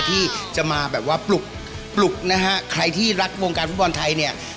ที่จะมาแบบว่าปลุกปลุกนะฮะใครที่รักวงการฟุตบอลไทยเนี่ย